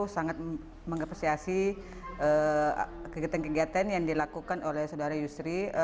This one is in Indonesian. sangat mengapresiasi kegiatan kegiatan yang dilakukan oleh saudara yusri